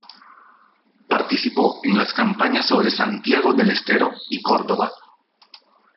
Participó en las campañas sobre Santiago del Estero y Córdoba.